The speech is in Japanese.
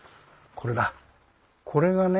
これがね